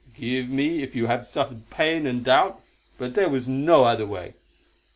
Forgive me if you have suffered pain and doubt; but there was no other way.